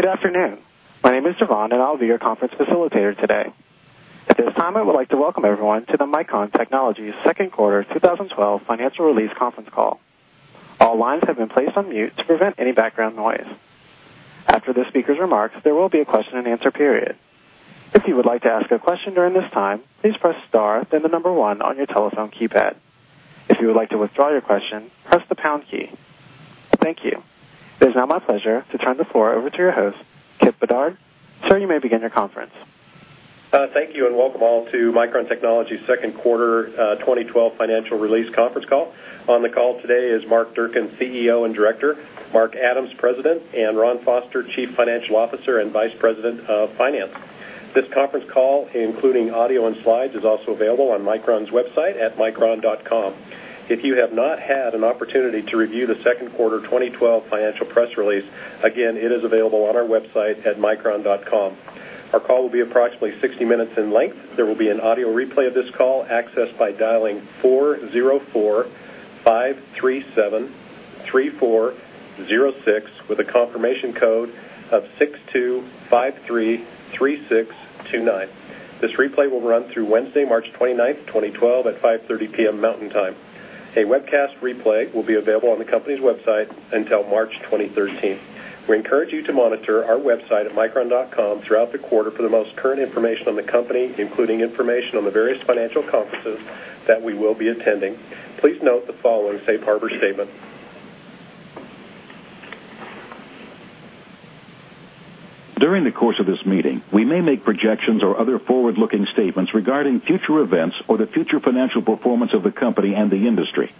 Good afternoon. My name is Devon, and I'll be your conference facilitator today. At this time, I would like to welcome everyone to the Micron Technology's Second Quarter 2012 Financial Release Conference Call. All lines have been placed on mute to prevent any background noise. After the speaker's remarks, there will be a question and answer period. If you would like to ask a question during this time, please press star, then the number one on your telephone keypad. If you would like to withdraw your question, press the pound key. Thank you. It is now my pleasure to turn the floor over to your host, Kipp Bedard. Sir, you may begin your conference. Thank you and welcome all to Micron Technology's Second Quarter 2012 Financial Release Conference Call. On the call today is Mark Durcan, CEO and Director, Mark Adams, President, and Ron Foster, Chief Financial Officer and Vice President of Finance. This conference call, including audio and slides, is also available on Micron's website at micron.com. If you have not had an opportunity to review the second quarter 2012 financial press release, again, it is available on our website at micron.com. Our call will be approximately 60 minutes in length. There will be an audio replay of this call accessed by dialing 404-537-3406 with a confirmation code of 6253-3629. This replay will run through Wednesday, March 29, 2012, at 5:30 P.M. Mountain Time. A webcast replay will be available on the company's website until March 2013. We encourage you to monitor our website at micron.com throughout the quarter for the most current information on the company, including information on the various financial conferences that we will be attending. Please note the following safe harbor statement. During the course of this meeting, we may make projections or other forward-looking statements regarding future events or the future financial performance of the company and the industry.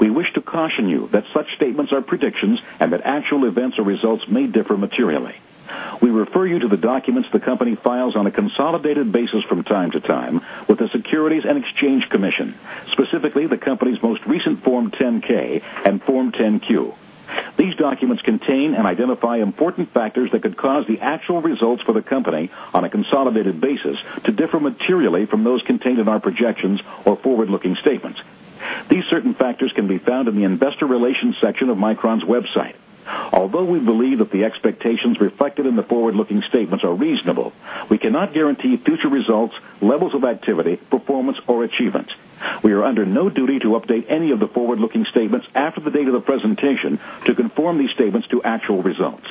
We wish to caution you that such statements are predictions and that actual events or results may differ materially. We refer you to the documents the company files on a consolidated basis from time to time with the Securities and Exchange Commission, specifically the company's most recent Form 10-K and Form 10-Q. These documents contain and identify important factors that could cause the actual results for the company on a consolidated basis to differ materially from those contained in our projections or forward-looking statements. These certain factors can be found in the investor relations section of Micron's website. Although we believe that the expectations reflected in the forward-looking statements are reasonable, we cannot guarantee future results, levels of activity, performance, or achievements. We are under no duty to update any of the forward-looking statements after the date of the presentation to conform these statements to actual results.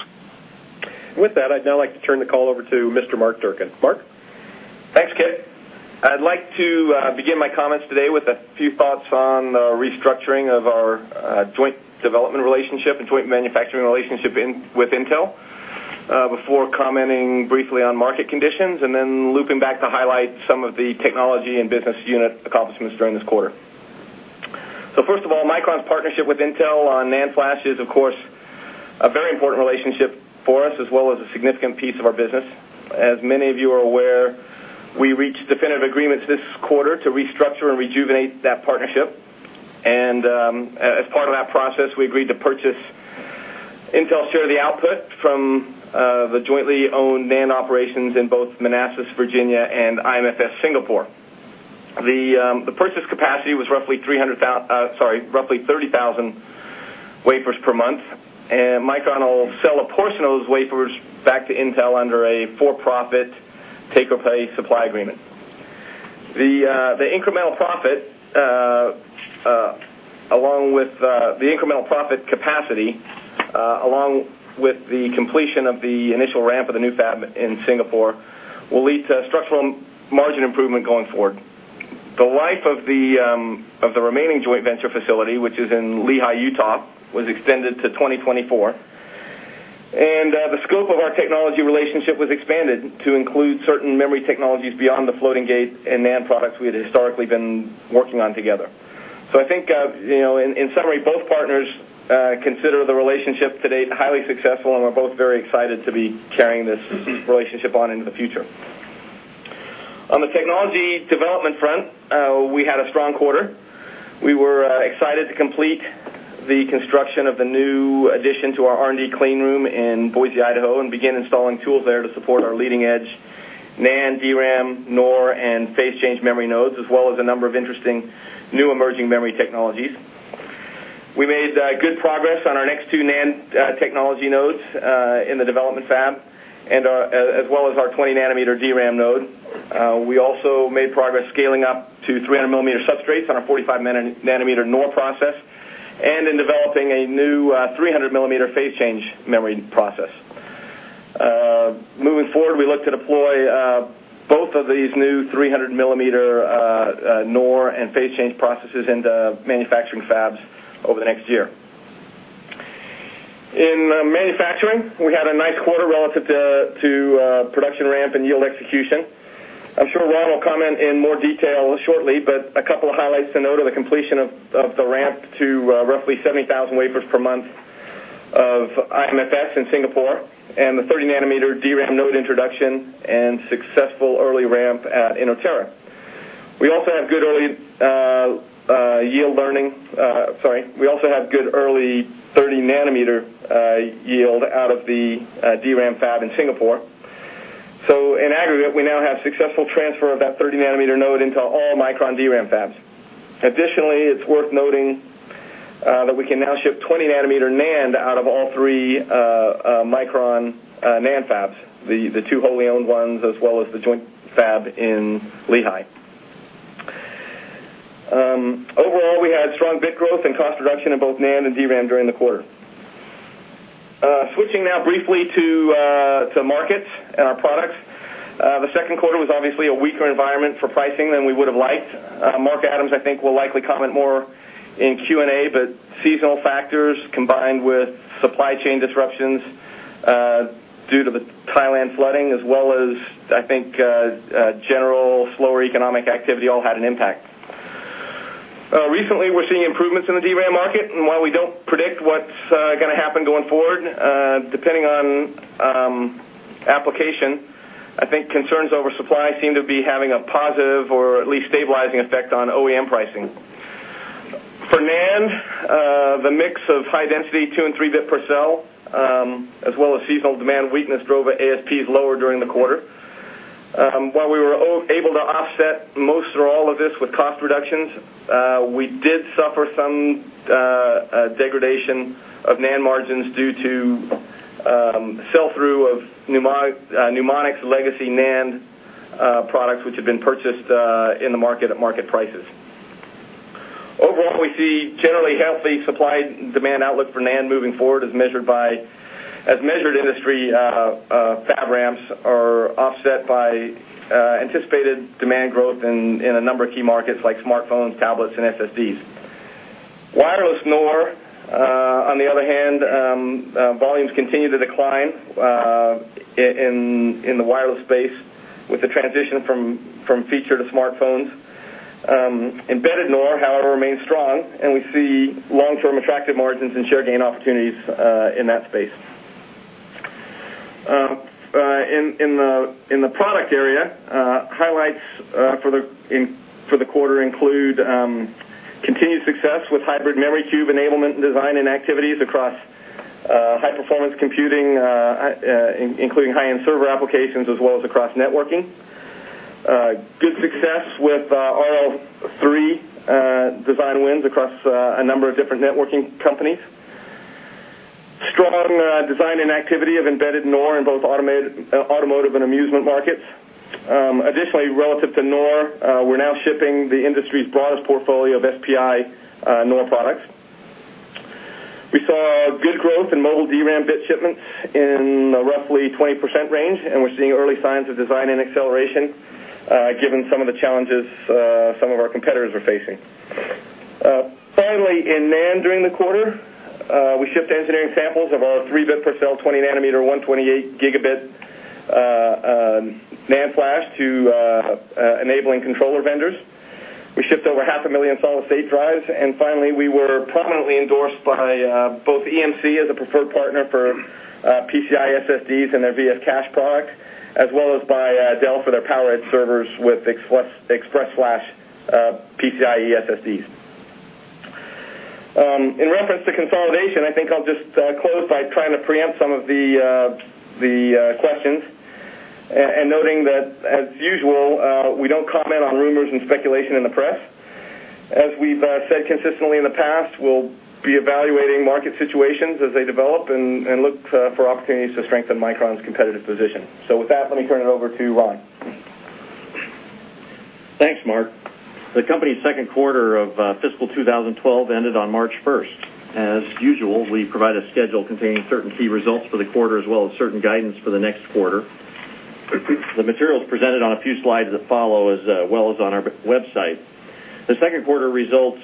With that, I'd now like to turn the call over to Mr. Mark Durcan. Mark. Thanks, Kipp. I'd like to begin my comments today with a few thoughts on the restructuring of our joint development relationship and joint manufacturing relationship with Intel, before commenting briefly on market conditions and then looping back to highlight some of the technology and business unit accomplishments during this quarter. First of all, Micron Technology's partnership with Intel on NAND flash is, of course, a very important relationship for us, as well as a significant piece of our business. As many of you are aware, we reached definitive agreements this quarter to restructure and rejuvenate that partnership, and as part of that process, we agreed to purchase Intel's share of the output from the jointly owned NAND operations in both Manassas, Virginia, and IM Flash Singapore, Singapore. The purchase capacity was roughly 30,000 wafers per month, and Micron Technology will sell a portion of those wafers back to Intel under a for-profit taker pay supply agreement. The incremental profit, along with the incremental profit capacity, along with the completion of the initial ramp of the new fab in Singapore, will lead to structural margin improvement going forward. The life of the remaining joint venture facility, which is in Lehi, Utah, was extended to 2024, and the scope of our technology relationship was expanded to include certain memory technologies beyond the floating gate and NAND products we had historically been working on together. I think, in summary, both partners consider the relationship to date highly successful, and we're both very excited to be sharing this relationship on into the future. On the technology development front, we had a strong quarter. We were excited to complete the construction of the new addition to our R&D clean room in Boise, Idaho, and begin installing tools there to support our leading edge NAND, DRAM, NOR, and phase change memory nodes, as well as a number of interesting new emerging memory technologies. We made good progress on our next two NAND technology nodes in the development fab, as well as our 20nm DRAM node. We also made progress scaling up to 300mm substrates on our 45nm NOR process and in developing a new 300mm phase change memory process. Moving forward, we look to deploy both of these new 300mm NOR and phase change processes into manufacturing fabs over the next year. In manufacturing, we had a nice quarter relative to production ramp and yield execution. I'm sure Ron will comment in more detail shortly, but a couple of highlights to note are the completion of the ramp to roughly 70,000 wafers per month of IM Flash Singapore in Singapore and the 30-nanometer DRAM node introduction and successful early ramp at Inotera. We also have good early yield learning. We also have good early 30-nanometer yield out of the DRAM fab in Singapore. In aggregate, we now have successful transfer of that 30-nanometer node into all Micron DRAM fabs. Additionally, it's worth noting that we can now ship 20-nanometer NAND out of all three Micron NAND fabs, the two wholly owned ones, as well as the joint fab in Lehi. Overall, we had strong bit growth and cost reduction in both NAND and DRAM during the quarter. Switching now briefly to markets and our products, the second quarter was obviously a weaker environment for pricing than we would have liked. Mark Adams, I think, will likely comment more in Q&A, but seasonal factors combined with supply chain disruptions due to the Thailand flooding, as well as, I think, general slower economic activity all had an impact. Recently, we're seeing improvements in the DRAM market, and while we don't predict what's going to happen going forward, depending on application, I think concerns over supply seem to be having a positive or at least stabilizing effect on OEM pricing. For NAND, the mix of high-density 2 and 3-bit per cell, as well as seasonal demand weakness, drove ASPs lower during the quarter. While we were able to offset most or all of this with cost reductions, we did suffer some degradation of NAND margins due to sell-through of legacy Numonyx NAND products, which had been purchased in the market at market prices. Overall, we see generally healthy supply and demand outlook for NAND moving forward as measured by industry fab ramps offset by anticipated demand growth in a number of key markets like smartphones, tablets, and SSDs. Wireless NOR, on the other hand, volumes continue to decline in the wireless space with the transition from feature to smartphones. Embedded NOR, however, remains strong, and we see long-term attractive margins and share gain opportunities in that space. In the product area, highlights for the quarter include continued success with hybrid memory cube enablement and design and activities across high-performance computing, including high-end server applications, as well as across networking. Good success with all three design wins across a number of different networking companies. Strong design and activity of embedded NOR in both automotive and amusement markets. Additionally, relative to NOR, we're now shipping the industry's broadest portfolio of SPI NOR products. We saw good growth in mobile DRAM bit shipments in the roughly 20% range, and we're seeing early signs of design and acceleration, given some of the challenges some of our competitors are facing. Finally, in NAND during the quarter, we shipped engineering samples of our 3-bit per cell 20nm 128GB NAND flash to enabling controller vendors. We shipped over half a million solid-state drives, and finally, we were prominently endorsed by both EMC as a preferred partner for PCI SSDs and their VS Cache product, as well as by Dell for their PowerEdge servers with Express Flash PCIe SSDs. In reference to consolidation, I think I'll just close by trying to preempt some of the questions and noting that, as usual, we don't comment on rumors and speculation in the press. As we've said consistently in the past, we'll be evaluating market situations as they develop and look for opportunities to strengthen Micron Technology's competitive position. With that, let me turn it over to Ron. Thanks, Mark. The company's second quarter of fiscal 2012 ended on March 1. As usual, we provide a schedule containing certain key results for the quarter, as well as certain guidance for the next quarter. The materials are presented on a few slides that follow, as well as on our website. The second quarter results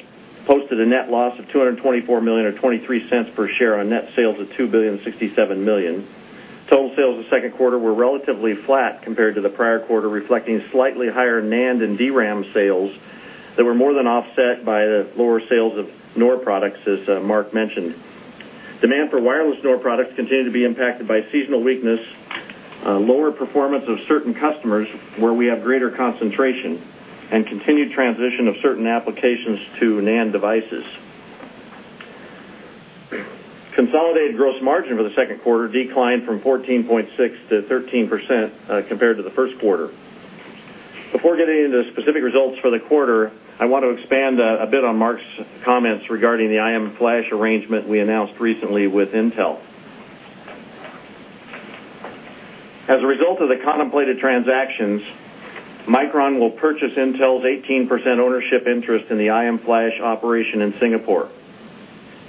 posted a net loss of $224 million or $0.23 per share on net sales of $2.067 billion. Total sales of the second quarter were relatively flat compared to the prior quarter, reflecting slightly higher NAND and DRAM sales that were more than offset by lower sales of NOR products, as Mark mentioned. Demand for wireless NOR products continued to be impacted by seasonal weakness, lower performance of certain customers where we have greater concentration, and continued transition of certain applications to NAND devices. Consolidated gross margin for the second quarter declined from 14.6% to 13% compared to the first quarter. Before getting into specific results for the quarter, I want to expand a bit on Mark's comments regarding the IM Flash arrangement we announced recently with Intel. As a result of the contemplated transactions, Micron Technology will purchase Intel's 18% ownership interest in the IM Flash operation in Singapore.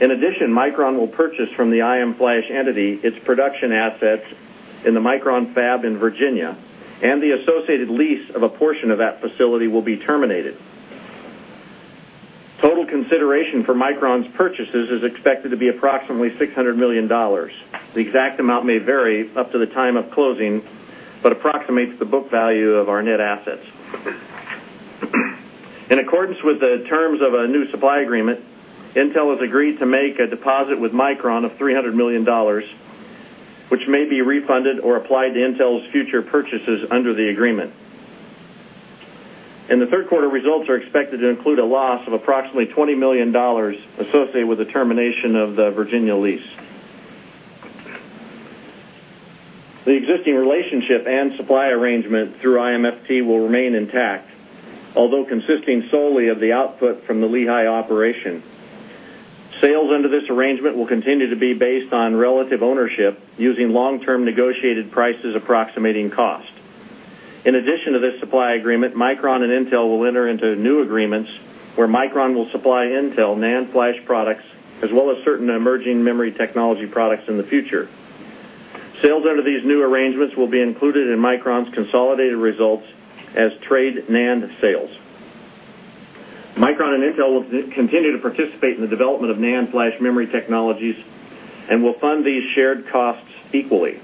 In addition, Micron Technology will purchase from the IM Flash entity its production assets in the Micron Technology fab in Virginia, and the associated lease of a portion of that facility will be terminated. Total consideration for Micron Technology's purchases is expected to be approximately $600 million. The exact amount may vary up to the time of closing but approximates the book value of our net assets. In accordance with the terms of a new supply agreement, Intel has agreed to make a deposit with Micron Technology of $300 million, which may be refunded or applied to Intel's future purchases under the agreement. The third quarter results are expected to include a loss of approximately $20 million associated with the termination of the Virginia lease. The existing relationship and supply arrangement through IMFT will remain intact, although consisting solely of the output from the Lehi operation. Sales under this arrangement will continue to be based on relative ownership, using long-term negotiated prices approximating cost. In addition to this supply agreement, Micron Technology and Intel will enter into new agreements where Micron Technology will supply Intel NAND flash products, as well as certain emerging memory technology products in the future. Sales under these new arrangements will be included in Micron's consolidated results as trade NAND sales. Micron and Intel will continue to participate in the development of NAND flash memory technologies and will fund these shared costs equally.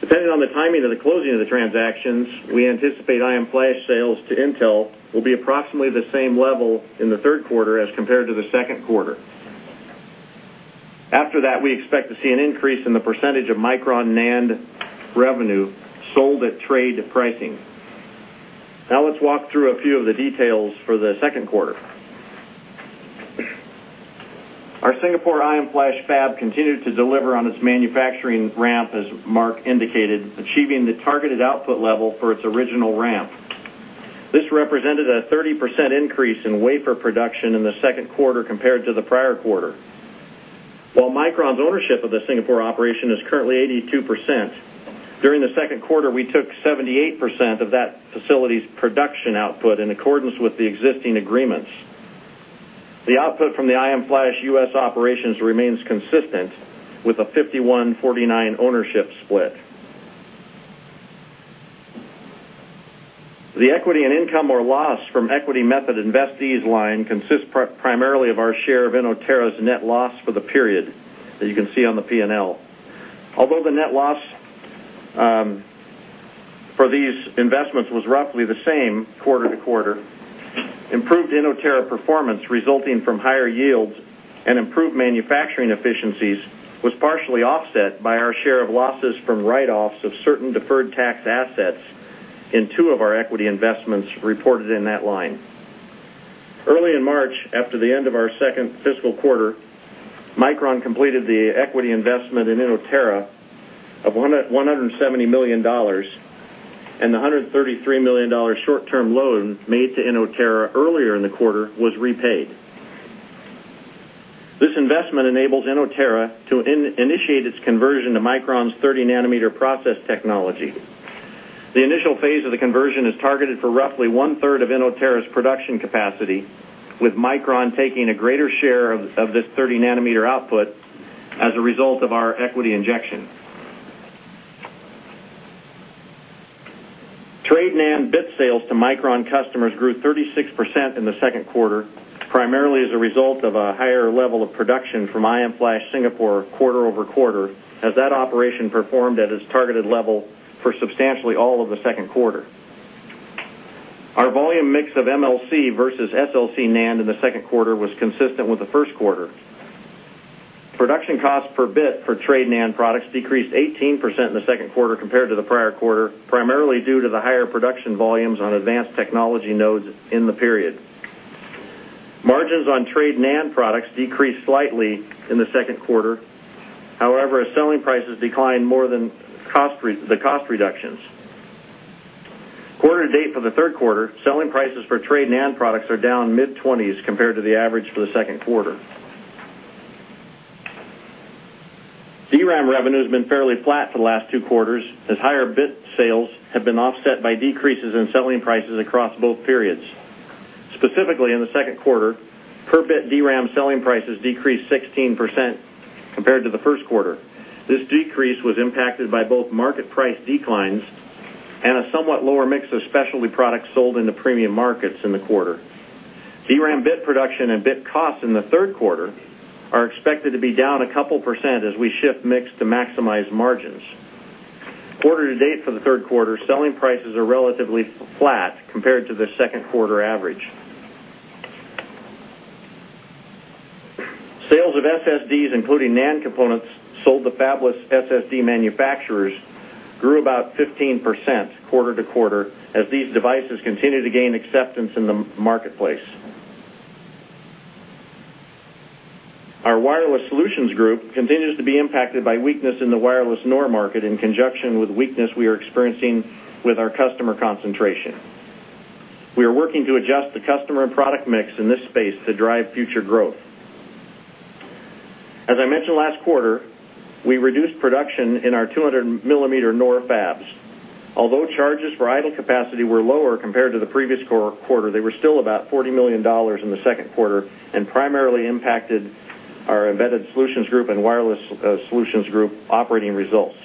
Depending on the timing of the closing of the transactions, we anticipate IM Flash sales to Intel will be approximately the same level in the third quarter as compared to the second quarter. After that, we expect to see an increase in the percentage of Micron NAND revenue sold at trade pricing. Now, let's walk through a few of the details for the second quarter. Our Singapore IM Flash fab continued to deliver on its manufacturing ramp, as Mark indicated, achieving the targeted output level for its original ramp. This represented a 30% increase in wafer production in the second quarter compared to the prior quarter. While Micron's ownership of the Singapore operation is currently 82%, during the second quarter, we took 78% of that facility's production output in accordance with the existing agreements. The output from the IM Flash U.S. operations remains consistent with a 51/49 ownership split. The equity and income or loss from equity method investees line consists primarily of our share of Inotera's net loss for the period, as you can see on the P&L. Although the net loss for these investments was roughly the same quarter to quarter, improved Inotera performance resulting from higher yields and improved manufacturing efficiencies was partially offset by our share of losses from write-offs of certain deferred tax assets in two of our equity investments reported in that line. Early in March, after the end of our second fiscal quarter, Micron completed the equity investment in Inotera of $170 million, and the $133 million short-term loan made to Inotera earlier in the quarter was repaid. This investment enables Inotera to initiate its conversion to Micron's 30nm process technology. The initial phase of the conversion is targeted for roughly one-third of Inotera's production capacity, with Micron taking a greater share of this 30nm output as a result of our equity injection. Trade NAND bit sales to Micron customers grew 36% in the second quarter, primarily as a result of a higher level of production from IM Flash Singapore quarter over quarter, as that operation performed at its targeted level for substantially all of the second quarter. Our volume mix of MLC versus SLC NAND in the second quarter was consistent with the first quarter. Production costs per bit for trade NAND products decreased 18% in the second quarter compared to the prior quarter, primarily due to the higher production volumes on advanced technology nodes in the period. Margins on trade NAND products decreased slightly in the second quarter, however, selling prices declined more than the cost reductions. Quarter to date for the third quarter, selling prices for trade NAND products are down mid-20s% compared to the average for the second quarter. DRAM revenue has been fairly flat for the last two quarters, as higher bit sales have been offset by decreases in selling prices across both periods. Specifically, in the second quarter, per bit DRAM selling prices decreased 16% compared to the first quarter. This decrease was impacted by both market price declines and a somewhat lower mix of specialty products sold in the premium markets in the quarter. DRAM bit production and bit costs in the third quarter are expected to be down a couple percent as we shift mix to maximize margins. Quarter to date for the third quarter, selling prices are relatively flat compared to the second quarter average. Sales of SSDs, including NAND components sold to fabless SSD manufacturers, grew about 15% quarter to quarter, as these devices continue to gain acceptance in the marketplace. Our wireless solutions group continues to be impacted by weakness in the wireless NOR market in conjunction with weakness we are experiencing with our customer concentration. We are working to adjust the customer and product mix in this space to drive future growth. As I mentioned last quarter, we reduced production in our 200-millimeter NOR fabs. Although charges for idle capacity were lower compared to the previous quarter, they were still about $40 million in the second quarter and primarily impacted our embedded solutions group and wireless solutions group operating results.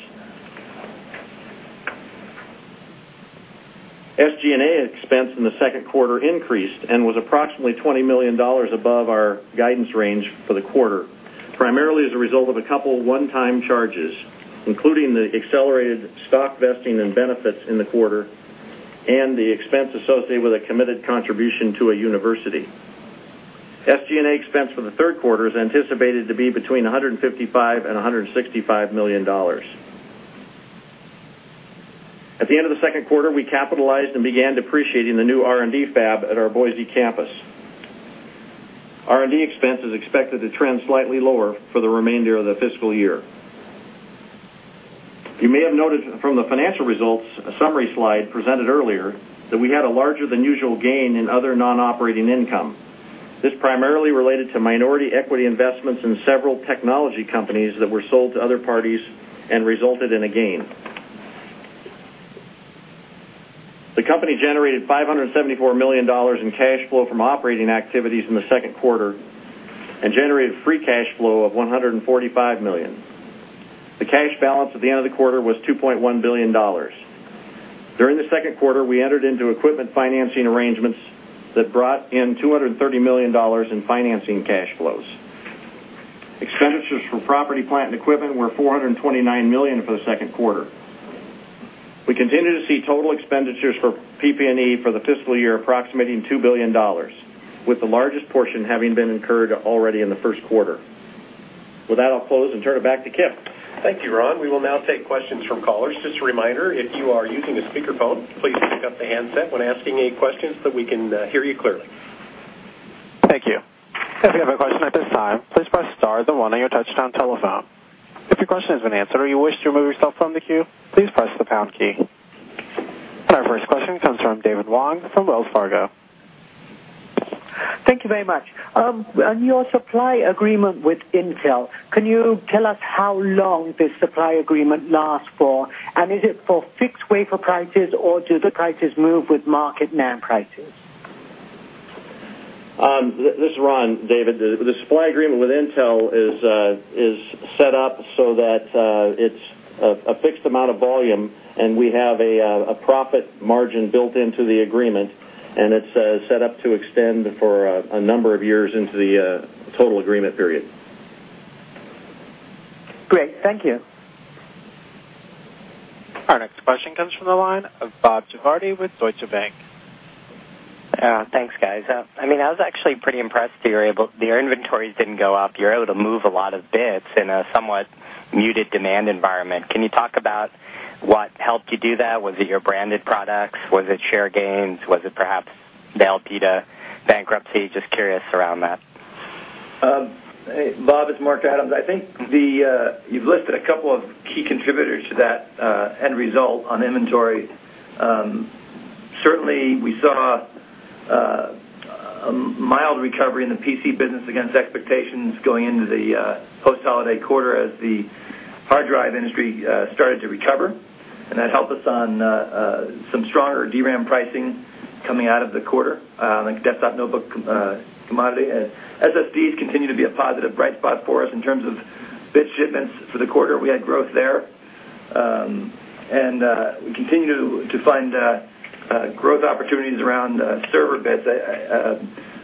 SG&A expense in the second quarter increased and was approximately $20 million above our guidance range for the quarter, primarily as a result of a couple one-time charges, including the accelerated stock vesting and benefits in the quarter and the expense associated with a committed contribution to a university. SG&A expense for the third quarter is anticipated to be between $155 million and $165 million. At the end of the second quarter, we capitalized and began depreciating the new R&D fab at our Boise campus. R&D expense is expected to trend slightly lower for the remainder of the fiscal year. You may have noted from the financial results, a summary slide presented earlier, that we had a larger than usual gain in other non-operating income. This primarily related to minority equity investments in several technology companies that were sold to other parties and resulted in a gain. The company generated $574 million in cash flow from operating activities in the second quarter and generated free cash flow of $145 million. The cash balance at the end of the quarter was $2.1 billion. During the second quarter, we entered into equipment financing arrangements that brought in $230 million in financing cash flows. Expenditures for property, plant, and equipment were $429 million for the second quarter. We continue to see total expenditures for PP&E for the fiscal year approximating $2 billion, with the largest portion having been incurred already in the first quarter. With that, I'll close and turn it back to Kipp. Thank you, Ron. We will now take questions from callers. Just a reminder, if you are using a speakerphone, please pick up the handset when asking any questions so we can hear you clearly. Thank you. If you have a question at this time, please press star, the one on your touch-tone telephone. If your question has been answered or you wish to remove yourself from the queue, please press the pound key. Our first question comes from David Wong from Wells Fargo. Thank you very much. On your supply agreement with Intel, can you tell us how long this supply agreement lasts for, and is it for fixed wafer prices, or do the prices move with market NAND prices? This is Ron, David. The supply agreement with Intel is set up so that it's a fixed amount of volume, and we have a profit margin built into the agreement, and it's set up to extend for a number of years into the total agreement period. Great, thank you. Our next question comes from the line of Bob Gujavarty with Deutsche Bank. Thanks, guys. I mean, I was actually pretty impressed that your inventories didn't go up. You were able to move a lot of bits in a somewhat muted demand environment. Can you talk about what helped you do that? Was it your branded products? Was it share gains? Was it perhaps the alpha bankruptcy? Just curious around that. Bob, it's Mark Adams. I think you've listed a couple of key contributors to that end result on inventory. Certainly, we saw a mild recovery in the PC business against expectations going into the post-Holiday quarter as the hard drive industry started to recover, and that helped us on some stronger DRAM pricing coming out of the quarter. That's not a notebook commodity. SSDs continue to be a positive bright spot for us in terms of bit shipments for the quarter. We had growth there, and we continue to find growth opportunities around server bits.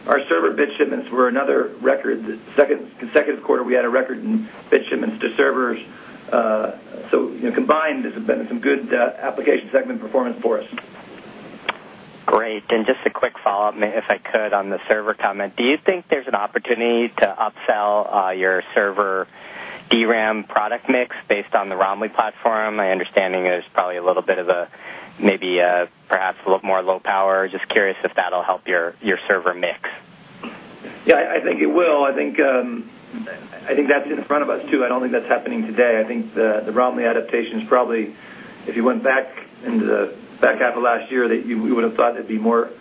Our server bit shipments were another record, the second consecutive quarter we had a record in bit shipments to servers. Combined, it's been some good application segment performance for us. Great. Just a quick follow-up, if I could, on the server comment. Do you think there's an opportunity to upsell your server DRAM product mix based on the ROMLY platform? My understanding is probably a little bit of a maybe perhaps a little more low power. Just curious if that'll help your server mix. Yeah, I think it will. I think that's in front of us, too. I don't think that's happening today. I think the ROMLY adaptation is probably, if you went back into the back half of last year, that you would have thought there'd be more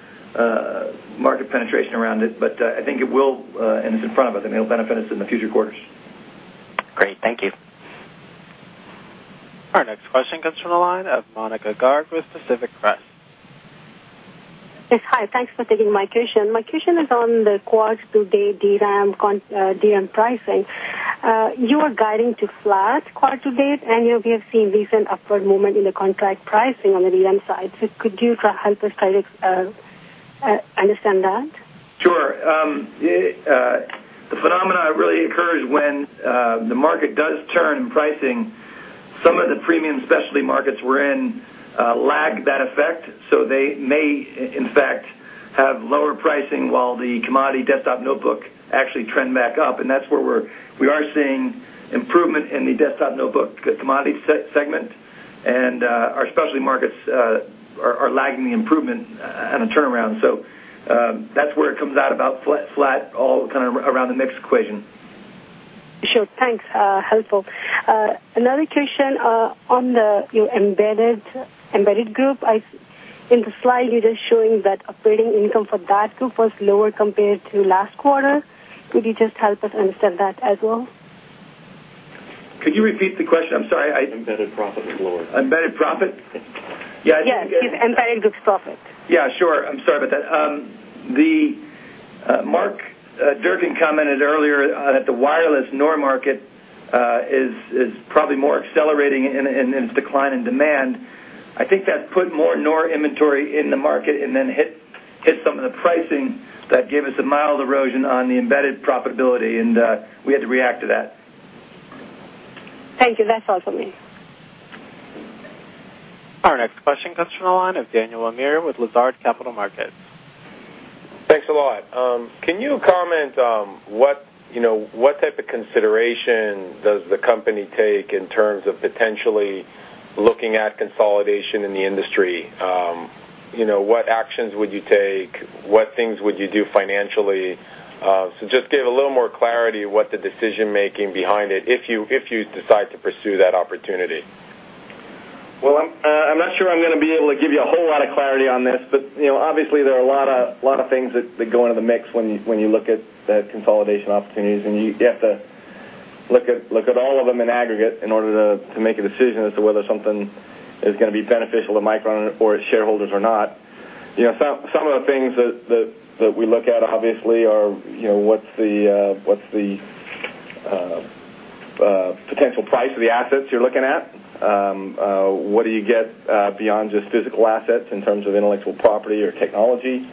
market penetration around it. I think it will, and it's in front of us, and it'll benefit us in the future quarters. Great, thank you. Our next question comes from the line of Monika Garg with Pacific Crest. Hi, thanks for taking my question. My question is on the quarter-to-date DRAM pricing. You are guiding to flat quarter-to-date, and we have seen recent upward movement in the contract pricing on the DRAM side. Could you help us understand that? Sure. The phenomenon really occurs when the market does churn in pricing. Some of the premium specialty markets we're in lag that effect, so they may, in fact, have lower pricing while the commodity desktop notebook actually trends back up. That's where we are seeing improvement in the desktop notebook commodity segment, and our specialty markets are lagging the improvement and a turnaround. That's where it comes out about flat all kind of around the mix equation. Sure, thanks. Helpful. Another question on the embedded group. In the slide, you're just showing that operating income for that group was lower compared to last quarter. Could you just help us understand that as well? Could you repeat the question? I'm sorry. Embedded profit was lower. Embedded profit? Yeah, I think. Yes, embedded group's profit. I'm sorry about that. Mark Durcan commented earlier that the wireless NOR market is probably more accelerating in its decline in demand. I think that's put more NOR inventory in the market and then hit some of the pricing that gave us a mild erosion on the embedded profitability, and we had to react to that. Thank you. That's all for me. Our next question comes from the line of Daniel Amir with Lazard Capital Markets. Thanks a lot. Can you comment on what type of consideration does the company take in terms of potentially looking at consolidation in the industry? What actions would you take? What things would you do financially? Just give a little more clarity of what the decision-making behind it is if you decide to pursue that opportunity. I'm not sure I'm going to be able to give you a whole lot of clarity on this, but obviously, there are a lot of things that go into the mix when you look at consolidation opportunities, and you have to look at all of them in aggregate in order to make a decision as to whether something is going to be beneficial to Micron Technology or its shareholders or not. You know, some of the things that we look at, obviously, are what's the potential price of the assets you're looking at? What do you get beyond just physical assets in terms of intellectual property or technology?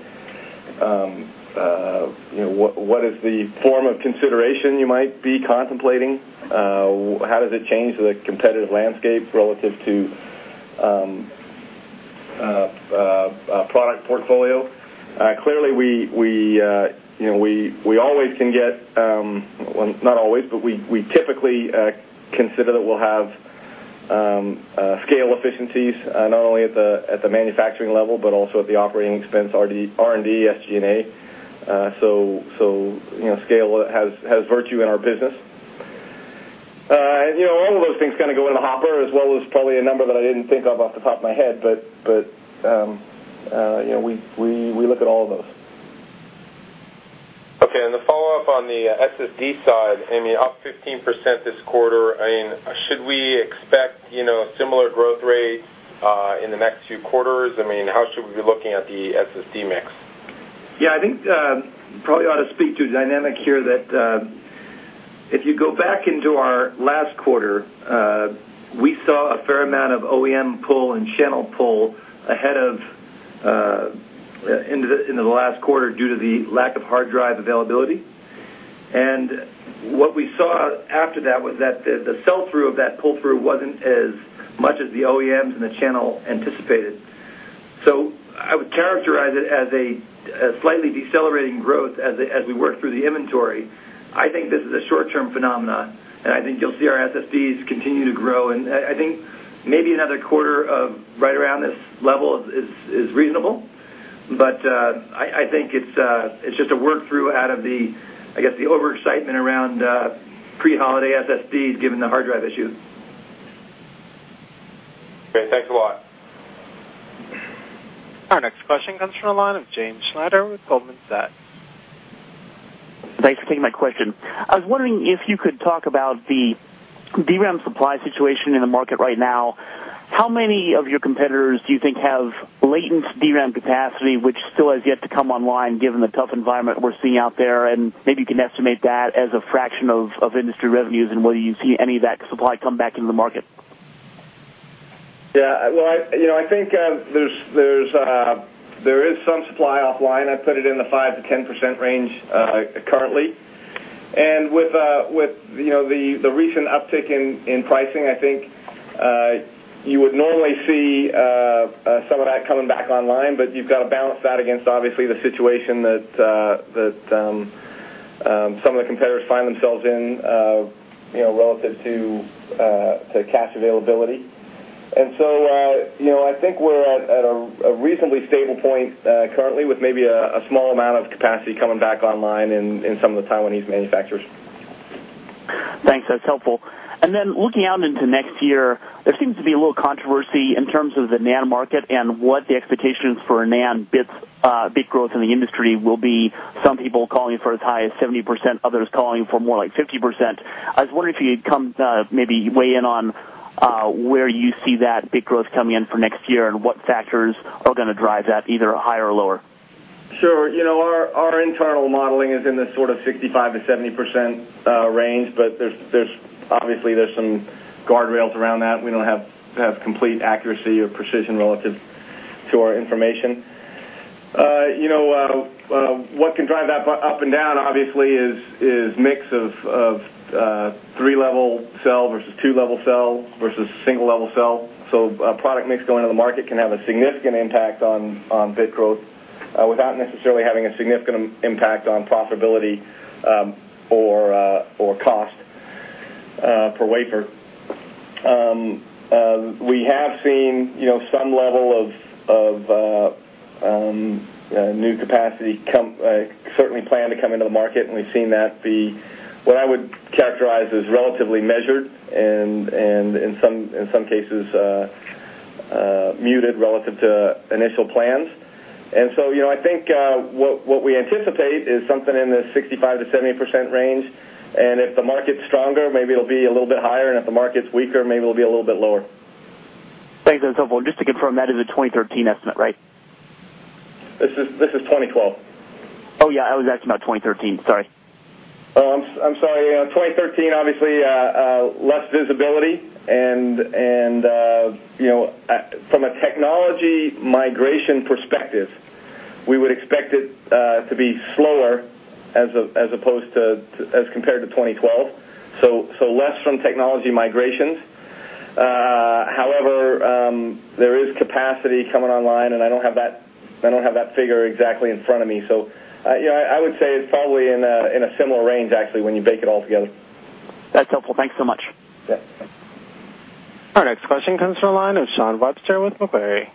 What is the form of consideration you might be contemplating? How does it change the competitive landscape relative to a product portfolio? Clearly, we always can get, well, not always, but we typically consider that we'll have scale efficiencies, not only at the manufacturing level, but also at the operating expense, R&D, SG&A. Scale has virtue in our business. All of those things kind of go in a hopper as well as probably a number that I didn't think of off the top of my head, but we look at all of those. Okay, and the follow-up on the SSD side, I mean, up 15% this quarter. I mean, should we expect a similar growth rate in the next few quarters? I mean, how should we be looking at the SSD mix? Yeah, I think probably ought to speak to the dynamic here that if you go back into our last quarter, we saw a fair amount of OEM pull and channel pull ahead of into the last quarter due to the lack of hard drive availability. What we saw after that was that the sell-through of that pull-through wasn't as much as the OEMs and the channel anticipated. I would characterize it as a slightly decelerating growth as we work through the inventory. I think this is a short-term phenomenon, and I think you'll see our SSDs continue to grow, and I think maybe another quarter right around this level is reasonable, but I think it's just a work-through out of the, I guess, the over-excitement around pre-Holiday SSDs given the hard drive issue. Great, thanks a lot. Our next question comes from the line of James Schneider with Goldman Sachs. Thanks for taking my question. I was wondering if you could talk about the DRAM supply situation in the market right now. How many of your competitors do you think have latent DRAM capacity, which still has yet to come online given the tough environment we're seeing out there? Maybe you can estimate that as a fraction of industry revenues and whether you see any of that supply come back into the market. Yeah, I think there is some supply offline. I'd put it in the 5%-10% range currently. With the recent uptick in pricing, I think you would normally see some of that coming back online, but you've got to balance that against, obviously, the situation that some of the competitors find themselves in relative to cash availability. I think we're at a reasonably stable point currently with maybe a small amount of capacity coming back online in some of the Taiwanese manufacturers. Thanks, that's helpful. Looking out into next year, there seems to be a little controversy in terms of the NAND market and what the expectations for NAND bit growth in the industry will be. Some people are calling it for as high as 70%, others are calling it for more like 50%. I was wondering if you could maybe weigh in on where you see that bit growth coming in for next year and what factors are going to drive that either higher or lower. Sure. Our internal modeling is in this sort of 65%-70% range, but obviously, there's some guardrails around that. We don't have complete accuracy or precision relative to our information. What can drive that up and down, obviously, is a mix of three-level cell versus two-level cell versus single-level cell. A product mix going into the market can have a significant impact on bit growth without necessarily having a significant impact on profitability or cost per wafer. We have seen some level of new capacity certainly planned to come into the market, and we've seen that be what I would characterize as relatively measured and in some cases muted relative to initial plans. I think what we anticipate is something in the 65%-70% range, and if the market's stronger, maybe it'll be a little bit higher, and if the market's weaker, maybe it'll be a little bit lower. Thanks, that's helpful. Just to confirm, that is a 2013 estimate, right? This is 2012. Yeah, I was asking about 2013. Sorry. I'm sorry. 2013, obviously, less visibility, and from a technology migration perspective, we would expect it to be slower as opposed to as compared to 2012. Less from technology migrations. However, there is capacity coming online, and I don't have that figure exactly in front of me. I would say it's probably in a similar range, actually, when you bake it all together. That's helpful. Thanks so much. Yeah. Thanks. Our next question comes from the line of Shawn Webster with Macquarie.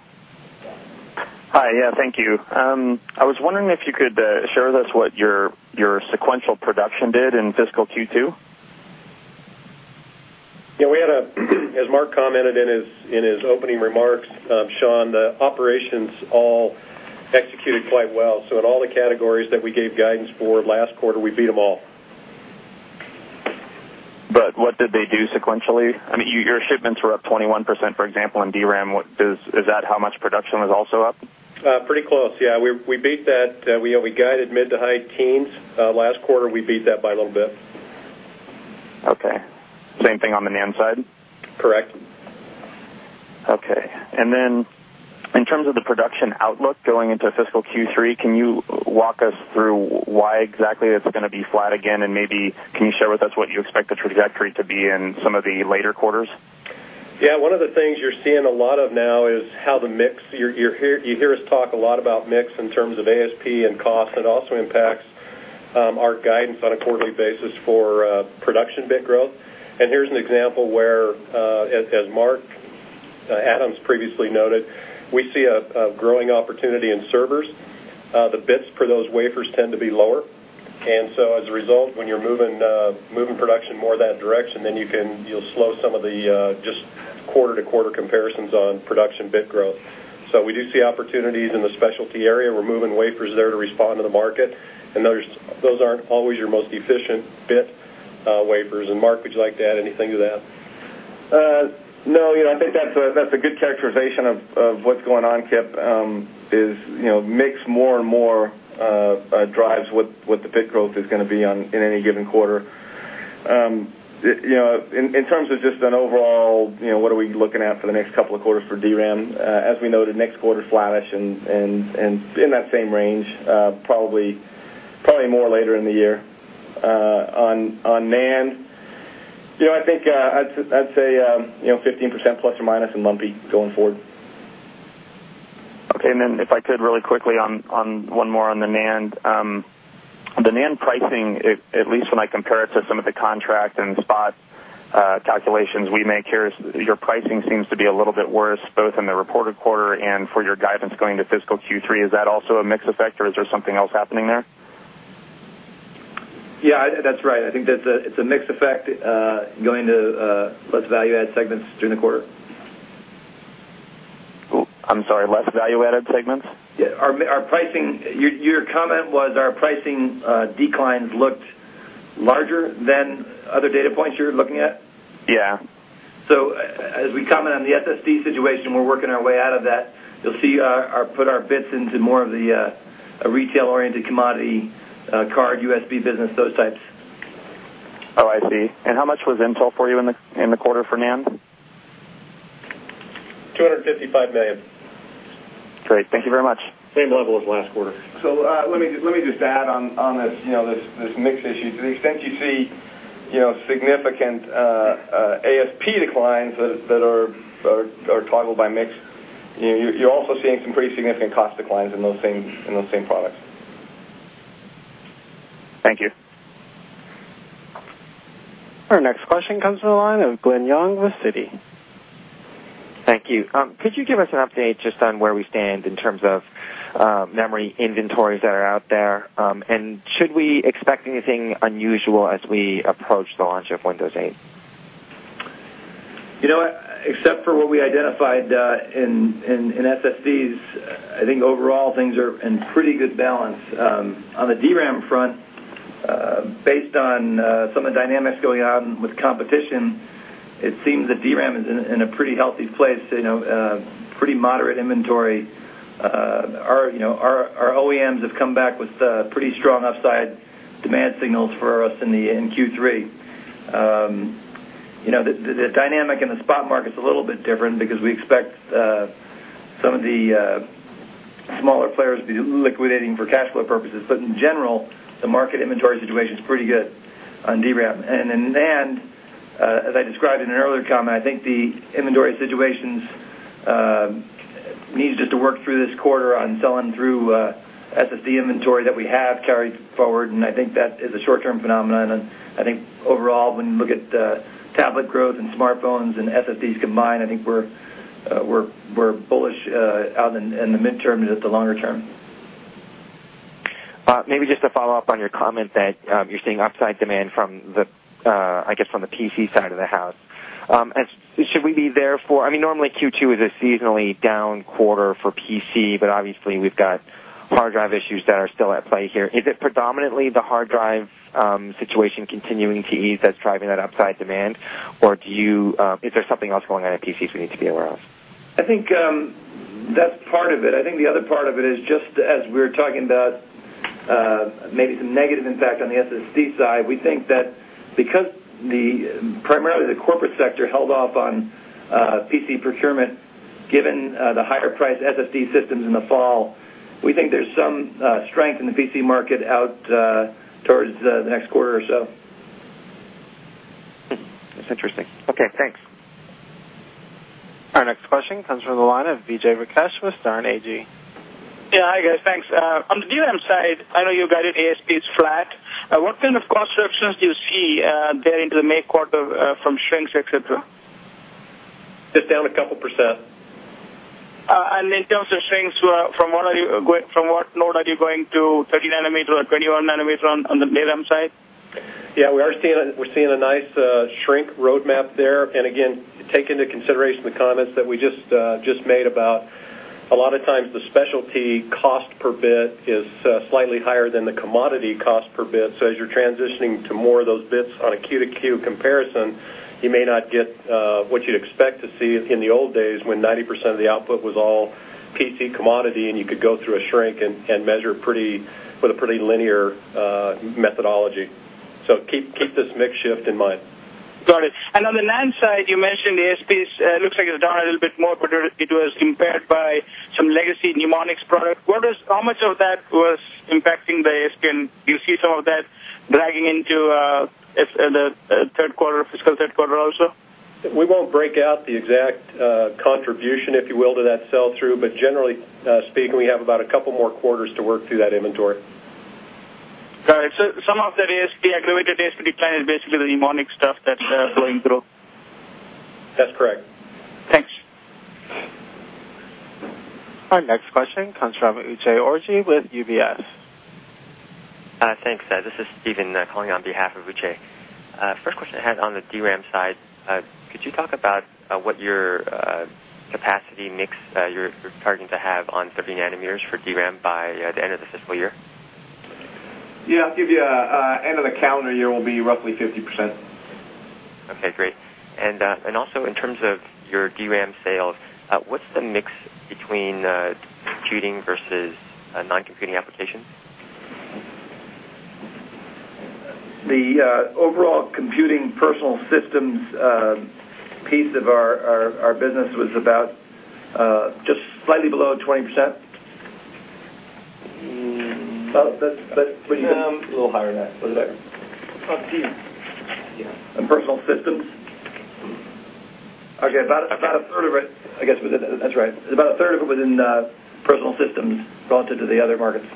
Hi, yeah, thank you. I was wondering if you could share with us what your sequential production did in fiscal Q2? Yeah, we had a, as Mark commented in his opening remarks, Shawn, the operations all executed quite well. In all the categories that we gave guidance for last quarter, we beat them all. What did they do sequentially? I mean, your shipments were up 21%, for example, in DRAM. Is that how much production was also up? Pretty close, yeah. We beat that. We guided mid to high teens. Last quarter, we beat that by a little bit. Okay. Same thing on the NAND side? Correct. Okay. In terms of the production outlook going into fiscal Q3, can you walk us through why exactly it's going to be flat again? Maybe can you share with us what you expect the trajectory to be in some of the later quarters? Yeah, one of the things you're seeing a lot of now is how the mix, you hear us talk a lot about mix in terms of ASP and costs, and it also impacts our guidance on a quarterly basis for production bit growth. Here's an example where, as Mark Adams previously noted, we see a growing opportunity in servers. The bits per those wafers tend to be lower, and as a result, when you're moving production more in that direction, you can slow some of the just quarter-to-quarter comparisons on production bit growth. We do see opportunities in the specialty area. We're moving wafers there to respond to the market, and those aren't always your most efficient bit wafers. Mark, would you like to add anything to that? No, I think that's a good characterization of what's going on, Kipp, is mix more and more drives what the bit growth is going to be in any given quarter. In terms of just an overall, what are we looking at for the next couple of quarters for DRAM? As we noted, next quarter flat-ish and in that same range, probably more later in the year. On NAND, I think I'd say 15% plus or minus in monthly going forward. Okay, and then if I could really quickly on one more on the NAND, the NAND pricing, at least when I compare it to some of the contract and spot calculations we make here, your pricing seems to be a little bit worse both in the reported quarter and for your guidance going into fiscal Q3. Is that also a mix effect, or is there something else happening there? Yeah, that's right. I think it's a mix effect going into less value-added segments during the quarter. I'm sorry, less value-added segments? Yeah, our pricing, your comment was our pricing declines looked larger than other data points you're looking at? Yeah. As we comment on the SSD situation, we're working our way out of that. You'll see us put our bits into more of the retail-oriented commodity card USB business, those types. I see. How much was Intel for you in the quarter for NAND? $255 million. Great, thank you very much. Same level as last quarter. Let me just add on this mix issue. To the extent you see significant ASP declines that are toggled by mix, you're also seeing some pretty significant cost declines in those same products. Thank you. Our next question comes from the line of Glen Yeung with Citi. Thank you. Could you give us an update just on where we stand in terms of memory inventories that are out there, and should we expect anything unusual as we approach the launch of Windows 8? Except for what we identified in SSDs, I think overall things are in pretty good balance. On the DRAM front, based on some of the dynamics going on with competition, it seems that DRAM is in a pretty healthy place, pretty moderate inventory. Our OEMs have come back with pretty strong upside demand signals for us in Q3. The dynamic in the spot market's a little bit different because we expect some of the smaller players to be liquidating for cash flow purposes, but in general, the market inventory situation's pretty good on DRAM. NAND, as I described in an earlier comment, I think the inventory situations need just to work through this quarter on selling through SSD inventory that we have carried forward, and I think that is a short-term phenomenon. Overall, when you look at tablet growth and smartphones and SSDs combined, I think we're bullish out in the midterms at the longer term. Maybe just to follow up on your comment that you're seeing upside demand from the, I guess, from the PC side of the house. Should we be, therefore, I mean, normally Q2 is a seasonally down quarter for PC, but obviously, we've got hard drive issues that are still at play here. Is it predominantly the hard drive situation continuing to ease that's driving that upside demand, or is there something else going on in PCs we need to be aware of? I think that's part of it. I think the other part of it is just as we were talking about maybe some negative impact on the SSD side, we think that because primarily the corporate sector held off on PC procurement, given the higher-priced SSD systems in the fall, we think there's some strength in the PC market out towards the next quarter or so. That's interesting. Okay, thanks. Our next question comes from the line of Vijay Rakesh with Sterne Agee. Yeah, hi guys, thanks. On the DRAM side, I know you guided ASPs flat. What kind of cost reductions do you see there into the May quarter from shrinks, et cetera? Just down a couple %. In terms of shrinks, from what NOR are you going to 30nm or 21nm on the DRAM side? Yeah, we're seeing a nice shrink roadmap there, and again, take into consideration the comments that we just made about a lot of times the specialty cost per bit is slightly higher than the commodity cost per bit. As you're transitioning to more of those bits on a Q-to-Q comparison, you may not get what you'd expect to see in the old days when 90% of the output was all PC commodity, and you could go through a shrink and measure with a pretty linear methodology. Keep this mix shift in mind. Got it. On the NAND side, you mentioned the ASPs look like it's down a little bit more, but it was compared by some legacy Numonyx product. How much of that was impacting the ASP, and do you see some of that dragging into the third quarter, fiscal third quarter also? We won't break out the exact contribution, if you will, to that sell-through, but generally speaking, we have about a couple more quarters to work through that inventory. Got it. Some of that aggregated ASP decline is basically the Numonyx stuff that's going through? That's correct. Thanks. Our next question comes from Uche Orji with UBS. Thanks. This is Steven calling on behalf of Uche. First question I had on the DRAM side, could you talk about what your capacity mix you're targeting to have on 30nm for DRAM by the end of the fiscal year? Yeah, I'll give you end of the calendar year, it will be roughly 50%. Okay, great. In terms of your DRAM sales, what's the mix between computing versus non-computing application? The overall computing personal systems piece of our business was just slightly below 20%. That's pretty high. A little higher than that. What is that? Yeah, on personal systems. Okay, about a third of it, I guess that's right. About a third of it was in personal systems relative to the other markets.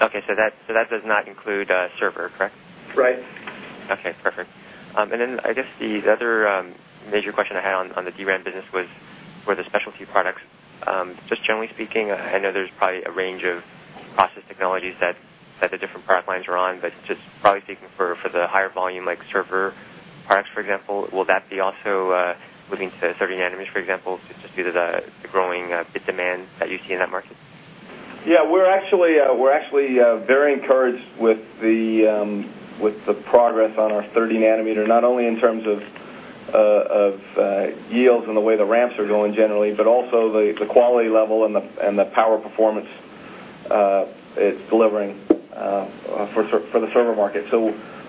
Okay, so that does not include server, correct? Right. Okay, perfect. The other major question I had on the DRAM business were the specialty products. Just generally speaking, I know there's probably a range of process technologies that the different product lines are on, but just probably speaking for the higher volume like server products, for example, will that be also moving to 30nm, for example, just due to the growing bit demand that you see in that market? Yeah, we're actually very encouraged with the progress on our 30nm, not only in terms of yields and the way the ramps are going generally, but also the quality level and the power performance it's delivering for the server market.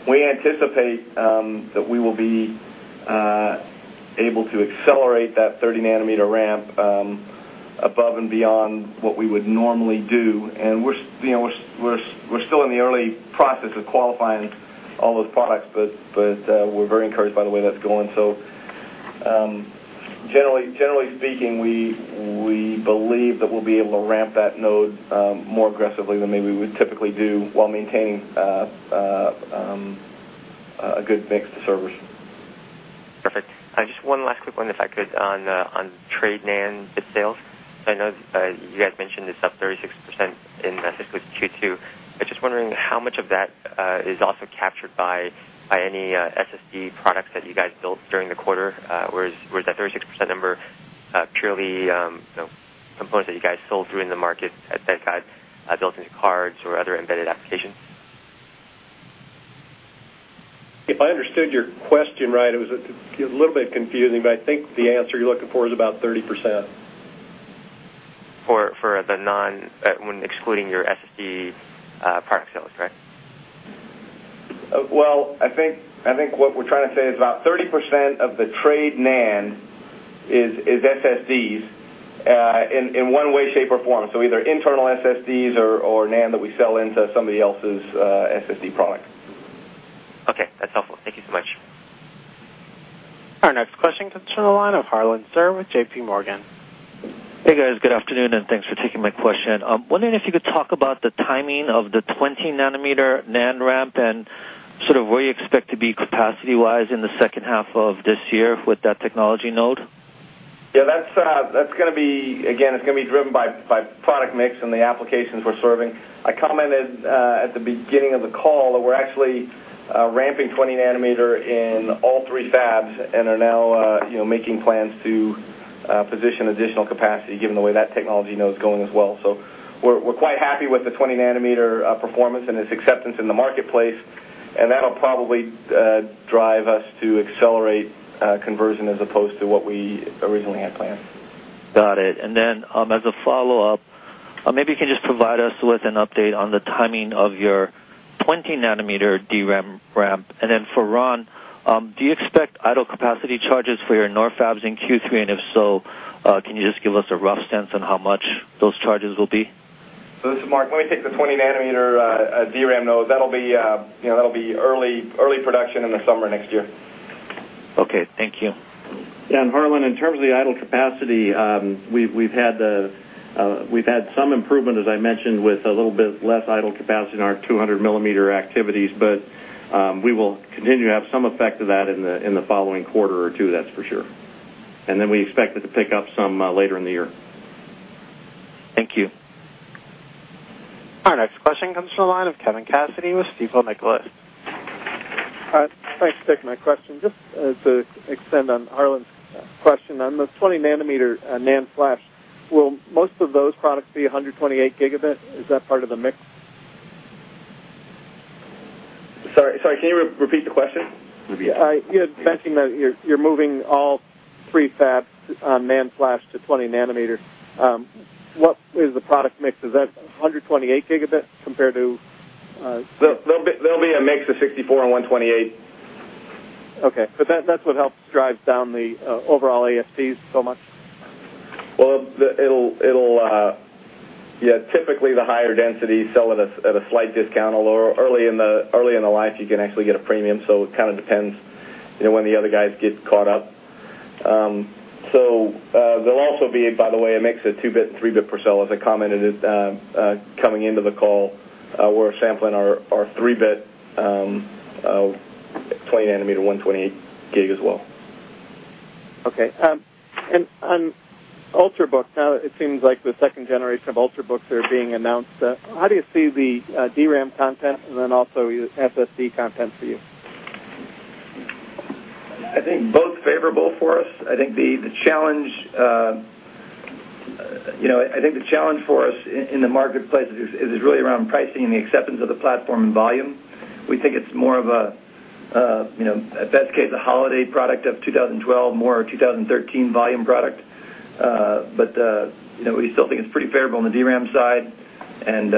We anticipate that we will be able to accelerate that 30nm ramp above and beyond what we would normally do, and we're still in the early process of qualifying all those products, but we're very encouraged by the way that's going. Generally speaking, we believe that we'll be able to ramp that node more aggressively than maybe we would typically do while maintaining a good mix of servers. Perfect. Just one last quick one, if I could, on trade NAND bit sales. I know you guys mentioned it's up 36% in the fiscal Q2. I was just wondering how much of that is also captured by any SSD products that you guys built during the quarter, or is that 36% number purely components that you guys sold through in the market that got built into cards or other embedded applications? If I understood your question right, it was a little bit confusing, but I think the answer you're looking for is about 30%. For the non, excluding your SSD product sales, correct? I think what we're trying to say is about 30% of the trade NAND is SSDs in one way, shape, or form. Either internal SSDs or NAND that we sell into somebody else's SSD product. Okay, that's helpful. Thank you so much. Our next question comes from the line of Harlan Sur with JPMorgan. Hey guys, good afternoon, and thanks for taking my question. I'm wondering if you could talk about the timing of the 20nm NAND ramp and sort of where you expect to be capacity-wise in the second half of this year with that technology node? Yeah, that's going to be, again, it's going to be driven by product mix and the applications we're serving. I commented at the beginning of the call that we're actually ramping 20nm in all three fabs and are now making plans to position additional capacity given the way that technology node is going as well. We're quite happy with the 20nm performance and its acceptance in the marketplace, and that'll probably drive us to accelerate conversion as opposed to what we originally had planned. Got it. As a follow-up, maybe you can just provide us with an update on the timing of your 20nm DRAM ramp. For Ron, do you expect idle capacity charges for your NOR fabs in Q3, and if so, can you just give us a rough sense on how much those charges will be? This is Mark. Let me take the 20nm DRAM node. That'll be early production in the summer next year. Okay, thank you. Yeah, Harlan, in terms of the idle capacity, we've had some improvement, as I mentioned, with a little bit less idle capacity in our 200-millimeter activities, but we will continue to have some effect of that in the following quarter or two, that's for sure. We expect it to pick up some later in the year. Thank you. Our next question comes from the line of Kevin Cassidy with Stifel Nicolaus. Thanks for taking my question. Just to extend on Harlan's question, on the 20nm NAND flash, will most of those products be 128GB? Is that part of the mix? Sorry, can you repeat the question? Yeah, you had mentioned that you're moving all three fabs on NAND flash to 20nm. What is the product mix? Is that 128GB D5 DIMM compared to? There'll be a mix of 64GB and 128GB D5 DIMM. Okay, because that's what helps drive down the overall ASPs so much. Typically the higher density sell at a slight discount, although early in the life you can actually get a premium, so it kind of depends when the other guys get caught up. There will also be, by the way, a mix of two-bit and three-bit per cell. As I commented coming into the call, we're sampling our three-bit 20nm 128GB as well. Okay, and on Ultrabooks, now it seems like the second generation of Ultrabooks are being announced. How do you see the DRAM content and then also SSD content for you? I think both favorable for us. I think the challenge for us in the marketplace is really around pricing and the acceptance of the platform and volume. We think it's more of a, at best case, a holiday product of 2012, more of a 2013 volume product, but we still think it's pretty favorable on the DRAM side and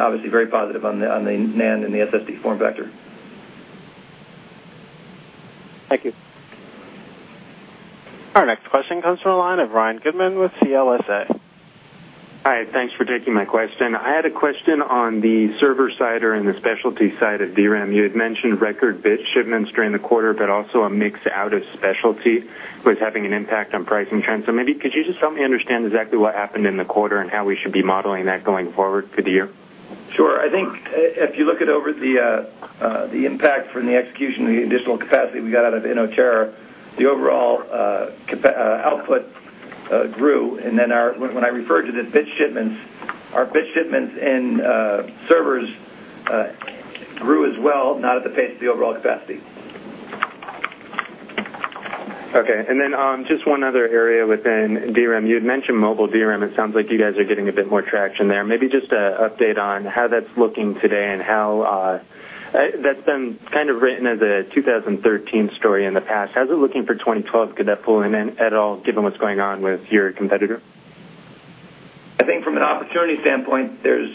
obviously very positive on the NAND and the SSD form factor. Thank you. Our next question comes from the line of Ryan Goodman with CLSA. Hi, thanks for taking my question. I had a question on the server side or in the specialty side of DRAM. You had mentioned record bit shipments during the quarter, but also a mix out of specialty was having an impact on pricing trends. Could you just help me understand exactly what happened in the quarter and how we should be modeling that going forward for the year? Sure, I think if you look at the impact from the execution of the additional capacity we got out of Inotera, the overall output grew, and then when I refer to the bit shipments, our bit shipments in servers grew as well, not at the pace of the overall capacity. Okay, and then just one other area within DRAM. You had mentioned mobile DRAM. It sounds like you guys are getting a bit more traction there. Maybe just an update on how that's looking today and how that's been kind of written as a 2013 story in the past. How's it looking for 2012? Could that pull in at all given what's going on with your competitor? I think from an opportunity standpoint, there's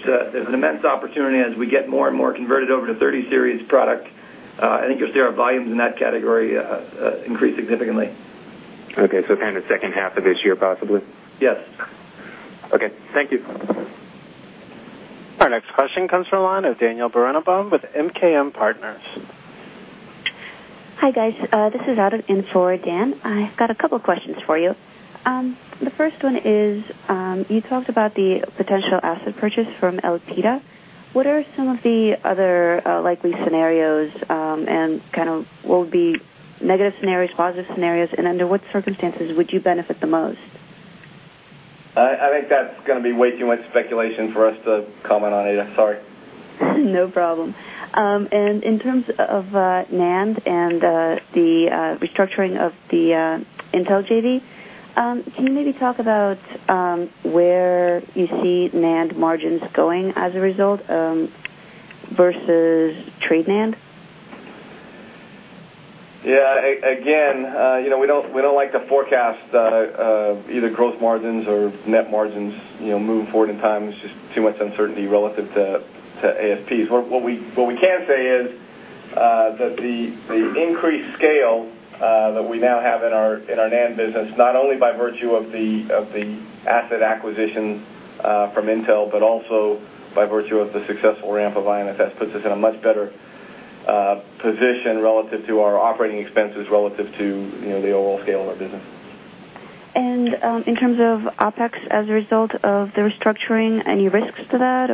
an immense opportunity as we get more and more converted over to 30nm product. I think you'll see our volumes in that category increase significantly. Okay, so kind of second half of this year possibly? Yes. Okay, thank you. Our next question comes from the line of Daniel Berenbaum with MKM Partners. Hi guys, this is Ada in for Dan. I've got a couple questions for you. The first one is you talked about the potential asset purchase from Numonyx. What are some of the other likely scenarios, and what would be negative scenarios, positive scenarios, and under what circumstances would you benefit the most? I think that's going to be way too much speculation for us to comment on either, sorry. No problem. In terms of NAND and the restructuring of the Intel JV, can you maybe talk about where you see NAND margins going as a result versus trade NAND? Yeah, again, you know, we don't like to forecast either gross margins or net margins, you know, moving forward in time. It's just too much uncertainty relative to ASPs. What we can say is that the increased scale that we now have in our NAND business, not only by virtue of the asset acquisition from Intel, but also by virtue of the successful ramp of IMFS, puts us in a much better position relative to our operating expenses relative to the overall scale of our business. In terms of OpEx as a result of the restructuring, any risks to that?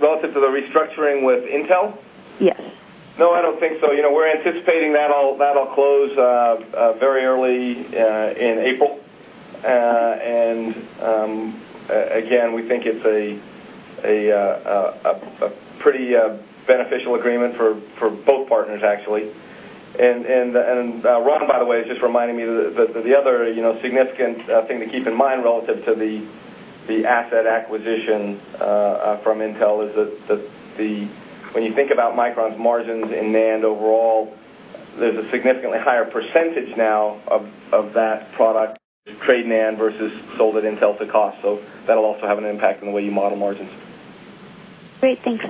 Relative to the restructuring with Intel? Yes. No, I don't think so. We're anticipating that'll close very early in April, and again, we think it's a pretty beneficial agreement for both partners, actually. Ron, by the way, is just reminding me that the other significant thing to keep in mind relative to the asset acquisition from Intel is that when you think about Micron Technology's margins in NAND overall, there's a significantly higher percentage now of that product trade NAND versus sold at Intel to cost. That'll also have an impact on the way you model margins. Great, thanks.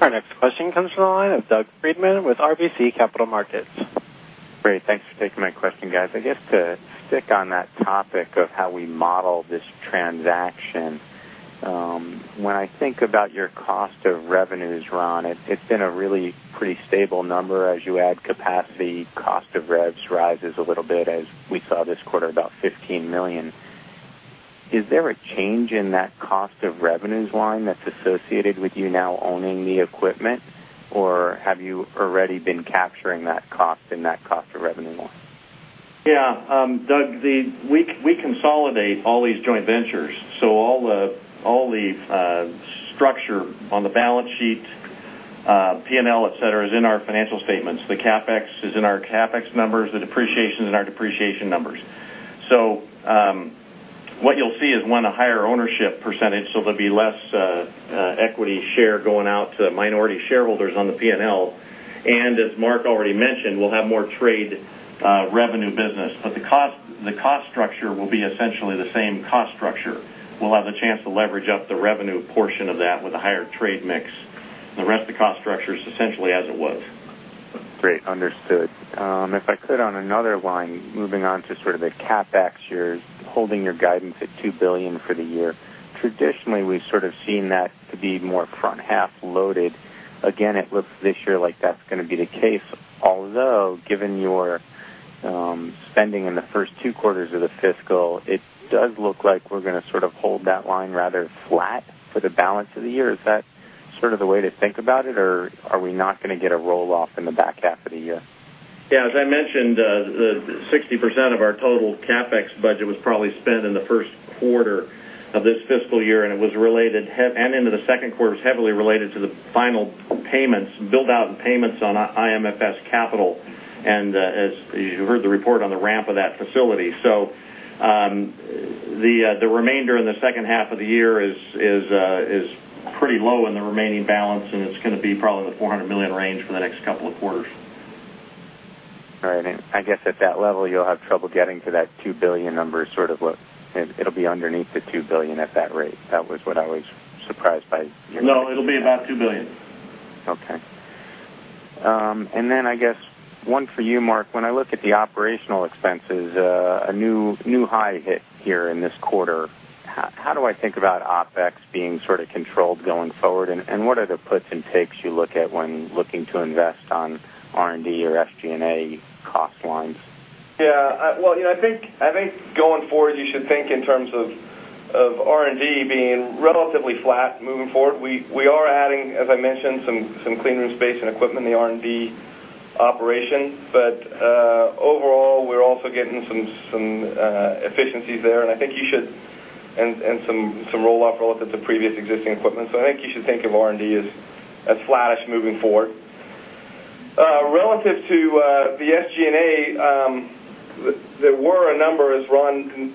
Our next question comes from the line of Doug Freedman with RBC Capital Markets. Great, thanks for taking my question, guys. I guess to stick on that topic of how we model this transaction, when I think about your cost of revenues, Ron, it's in a really pretty stable number as you add capacity. Cost of revs rises a little bit as we saw this quarter, about $15 million. Is there a change in that cost of revenues, Ron, that's associated with you now owning the equipment, or have you already been capturing that cost in that cost of revenue? Yeah, Doug, we consolidate all these joint ventures, so all the structure on the balance sheet, P&L, et cetera, is in our financial statements. The CapEx is in our CapEx numbers, the depreciation is in our depreciation numbers. What you'll see is, one, a higher ownership percentage, so there'll be less equity share going out to minority shareholders on the P&L, and as Mark already mentioned, we'll have more trade revenue business. The cost structure will be essentially the same cost structure. We'll have the chance to leverage up the revenue portion of that with a higher trade mix. The rest of the cost structure is essentially as it was. Great, understood. If I could, on another line, moving on to sort of the CapEx years, holding your guidance at $2 billion for the year. Traditionally, we've sort of seen that to be more front half loaded. Again, it looks this year like that's going to be the case, although given your spending in the first two quarters of the fiscal, it does look like we're going to sort of hold that line rather flat for the balance of the year. Is that sort of the way to think about it, or are we not going to get a roll-off in the back half of the year? Yeah, as I mentioned, 60% of our total CapEx budget was probably spent in the first quarter of this fiscal year, and it was related, and into the second quarter, was heavily related to the final payments, build-out and payments on IM Flash Singapore capital. As you heard the report on the ramp of that facility, the remainder in the second half of the year is pretty low in the remaining balance, and it's going to be probably in the $400 million range for the next couple of quarters. All right, I guess at that level, you'll have trouble getting to that $2 billion number. It'll be underneath the $2 billion at that rate. That was what I was surprised by. No, it'll be about $2 billion. Okay. I guess one for you, Mark. When I look at the operational expenses, a new high hit here in this quarter, how do I think about OPEX being sort of controlled going forward, and what are the puts and takes you look at when looking to invest on R&D or SG&A cost lines? Yeah, I think going forward, you should think in terms of R&D being relatively flat moving forward. We are adding, as I mentioned, some clean room space and equipment in the R&D operation, but overall, we're also getting some efficiencies there, and I think you should, and some roll-up relative to previous existing equipment. I think you should think of R&D as flat moving forward. Relative to the SG&A, there were a number, as Ron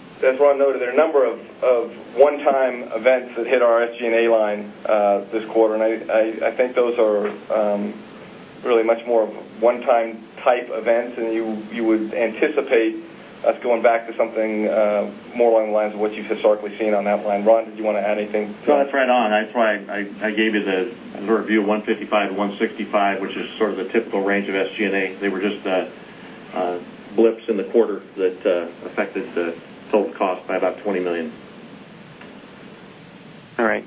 noted, there were a number of one-time events that hit our SG&A line this quarter, and I think those are really much more one-time type events, and you would anticipate us going back to something more along the lines of what you've historically seen on that line. Ron, did you want to add anything? Going off right on, I probably, I gave you the alert view of $155 million to $165 million, which is sort of the typical range of SG&A. There were just blips in the quarter that affected the total cost by about $20 million. All right,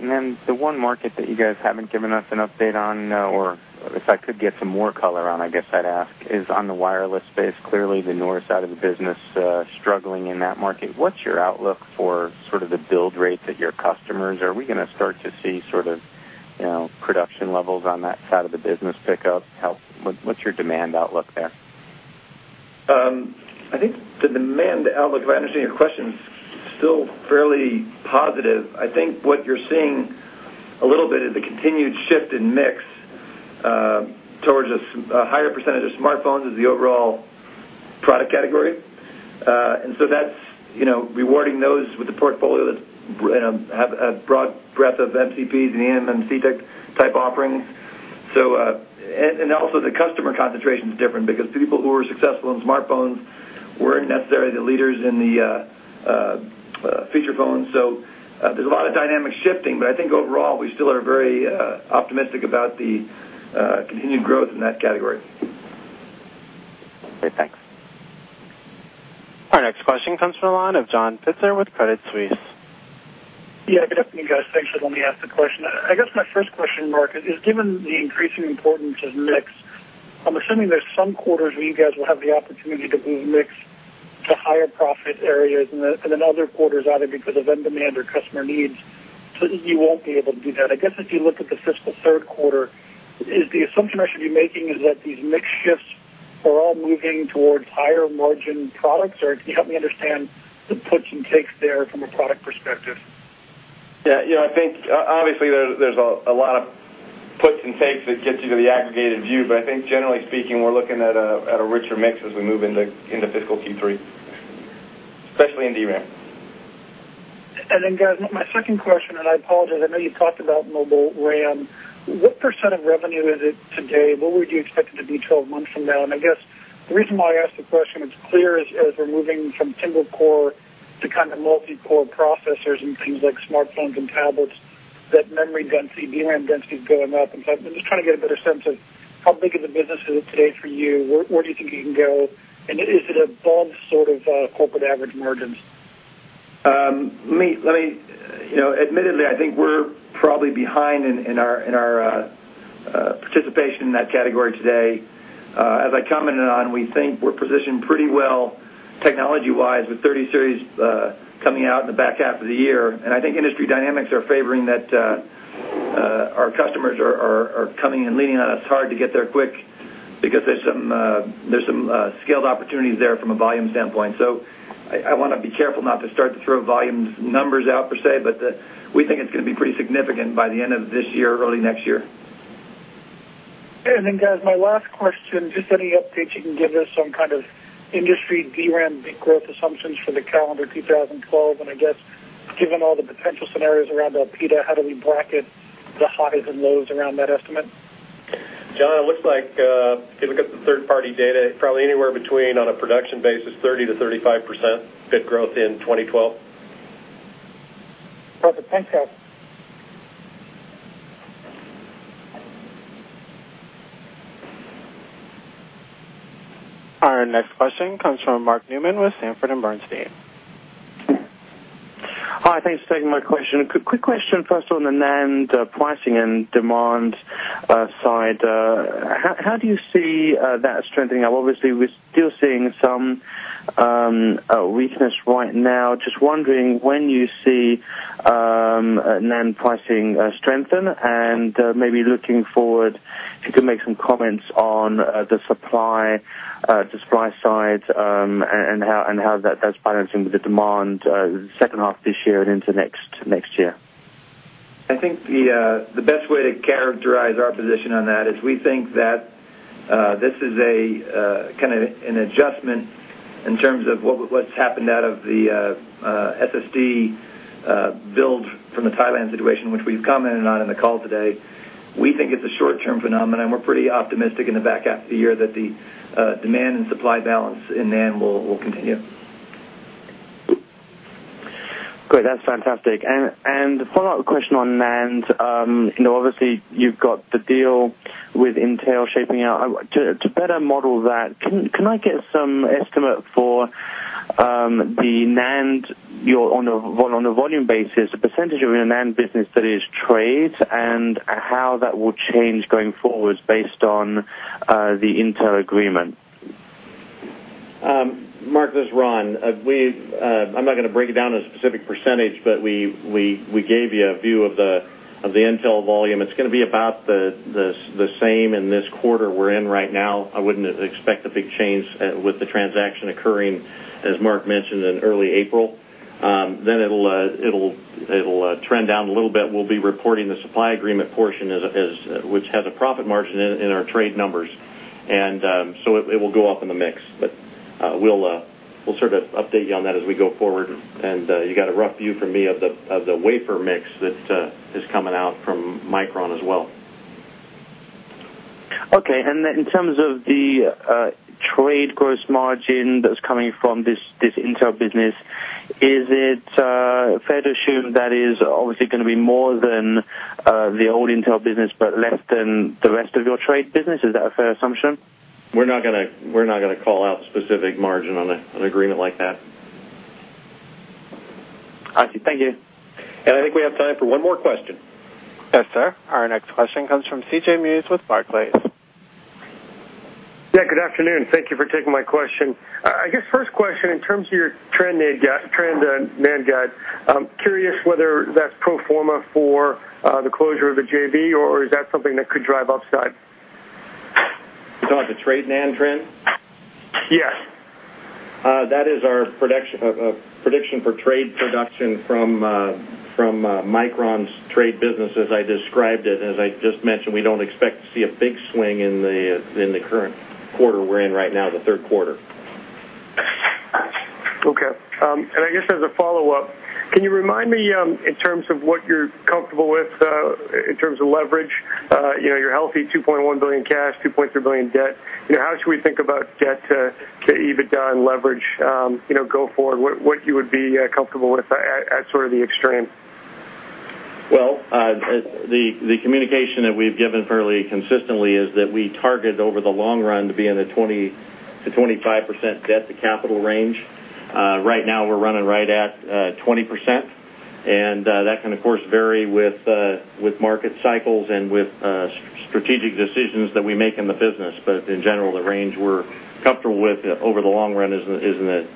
the one market that you guys haven't given us an update on, or if I could get some more color on, I guess I'd ask, is on the wireless space. Clearly, the newer side of the business is struggling in that market. What's your outlook for sort of the build rate that your customers are? Are we going to start to see sort of production levels on that side of the business pick up? What's your demand outlook there? I think the demand outlook, if I understand your question, is still fairly positive. I think what you're seeing a little bit is the continued shift in mix towards a higher percentage of smartphones as the overall product category. That's rewarding those with the portfolio that have a broad breadth of MCPs and eMMC type offerings. Also, the customer concentration is different because people who were successful in smartphones weren't necessarily the leaders in the feature phones. There's a lot of dynamic shifting, but I think overall, we still are very optimistic about the continued growth in that category. Great, thanks. Our next question comes from the line of John Pitzer with Credit Suisse. Yeah, good afternoon, guys. Thanks for letting me ask the question. I guess my first question, Mark, is given the increasing importance of mix, I'm assuming there's some quarters where you guys will have the opportunity to move mix to higher profit areas and then other quarters either because of end demand or customer needs, you won't be able to do that. I guess if you look at the fiscal third quarter, is the assumption I should be making that these mix shifts are all moving towards higher margin products, or can you help me understand the puts and takes there from a product perspective? Yeah, I think obviously there's a lot of puts and takes that get you to the aggregated view, but I think generally speaking, we're looking at a richer mix as we move into fiscal Q3, especially in DRAM. My second question, and I apologize, I know you've talked about mobile RAM. What % of revenue is it today? What would you expect it to be a month from now? The reason why I asked the question is clear as we're moving from single-core to kind of multi-core processors and things like smartphones and tablets, that memory density, DRAM density is going up. I'm just trying to get a better sense of how big of a business is it today for you. Where do you think you can go, and is it above sort of corporate average margins? Let me, admittedly, I think we're probably behind in our participation in that category today. As I commented on, we think we're positioned pretty well technology-wise with 30 series coming out in the back half of the year, and I think industry dynamics are favoring that our customers are coming and leaning on us hard to get there quick because there's some scaled opportunities there from a volume standpoint. I want to be careful not to start to throw volume numbers out per se, but we think it's going to be pretty significant by the end of this year, early next year. My last question, just any updates you can give us on kind of industry DRAM bit growth assumptions for the calendar of 2012, and I guess given all the potential scenarios around Elpida, how do we bracket the higher than those around that estimate? John, it looks like if we get some third-party data, probably anywhere between on a production basis 30%-35% bit growth in 2012. Perfect, thank you. Our next question comes from Mark Newman with Sanford C. Bernstein. Hi, thanks for taking my question. Quick question first on the NAND pricing and demand side. How do you see that strengthening? Obviously, we're still seeing some weakness right now. Just wondering when you see NAND pricing strengthen, and maybe looking forward, if you could make some comments on the supply side and how that's balancing with the demand second half this year and into next year. I think the best way to characterize our position on that is we think that this is kind of an adjustment in terms of what's happened out of the SSD build from the Thailand situation, which we've commented on in the call today. We think it's a short-term phenomenon, and we're pretty optimistic in the back half of the year that the demand and supply balance in NAND will continue. Great, that's fantastic. A follow-up question on NAND. Obviously, you've got the deal with Intel shaping out. To better model that, can I get some estimate for the NAND, on a volume basis, the percentage of your NAND business that is trade, and how that will change going forward based on the Intel agreement? Mark, this is Ron. I'm not going to break it down to a specific %, but we gave you a view of the Intel volume. It's going to be about the same in this quarter we're in right now. I wouldn't expect a big change with the transaction occurring, as Mark mentioned, in early April. It will trend down a little bit. We'll be reporting the supply agreement portion, which has a profit margin in our trade numbers, and it will go up in the mix. We'll update you on that as we go forward, and you got a rough view from me of the wafer mix that is coming out from Micron as well. Okay, and then in terms of the trade gross margin that's coming from this Intel business, is it fair to assume that is obviously going to be more than the old Intel business but less than the rest of your trade business? Is that a fair assumption? We're not going to call out a specific margin on an agreement like that. I see, thank you. I think we have time for one more question. Yes, sir. Our next question comes from C.J. Muse with Barclays. Yeah, good afternoon. Thank you for taking my question. I guess first question in terms of your trade NAND guide. I'm curious whether that's pro forma for the closure of the JV, or is that something that could drive upside? Sorry, the trade NAND trend? Yes. That is our prediction for trade production from Micron's trade business, as I described it. As I just mentioned, we don't expect to see a big swing in the current quarter we're in right now, the third quarter. Okay, and I guess as a follow-up, can you remind me in terms of what you're comfortable with in terms of leverage? You're healthy, $2.1 billion cash, $2.3 billion debt. How should we think about debt to EBITDA and leverage go forward? What you would be comfortable with at sort of the extreme? The communication that we've given fairly consistently is that we target over the long run to be in the 20%-25% debt to capital range. Right now, we're running right at 20%, and that can, of course, vary with market cycles and with strategic decisions that we make in the business. In general, the range we're comfortable with over the long run is in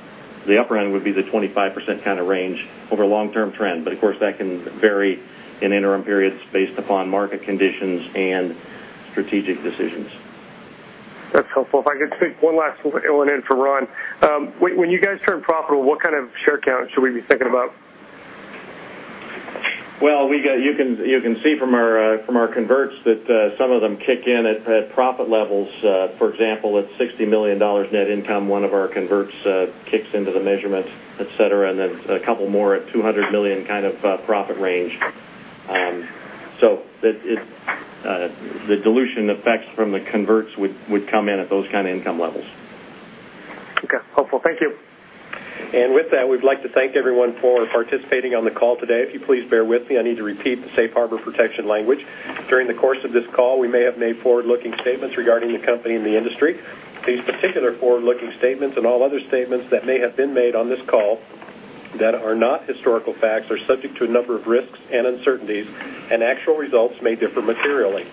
the upper end, which would be the 25% kind of range over a long-term trend. Of course, that can vary in interim periods based upon market conditions and strategic decisions. That's helpful. If I could sneak one last one in for Ron. When you guys turn profitable, what kind of share count should we be thinking about? You can see from our converts that some of them kick in at profit levels. For example, at $60 million net income, one of our converts kicks into the measurement, et cetera, and then a couple more at $200 million kind of profit range. The dilution effects from the converts would come in at those kind of income levels. Okay, helpful. Thank you. We'd like to thank everyone for participating on the call today. If you please bear with me, I need to repeat the safe harbor protection language. During the course of this call, we may have made forward-looking statements regarding the company and the industry. These particular forward-looking statements and all other statements that may have been made on this call that are not historical facts are subject to a number of risks and uncertainties, and actual results may differ materially.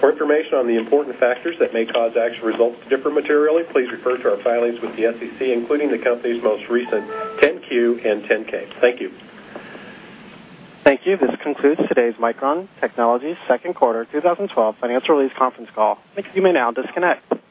For information on the important factors that may cause actual results to differ materially, please refer to our filings with the SEC, including the company's most recent 10-Q and 10-K. Thank you. Thank you. This concludes today's Micron Technology second quarter 2012 financial release conference call. You may now disconnect.